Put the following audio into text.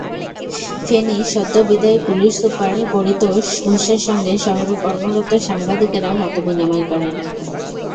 ফেনীর সদ্যবিদায়ী police super Paritosh ঘোষের সঙ্গে শহরের কর্মরত সাংবাদিকেরা মতবিনিময় করেন।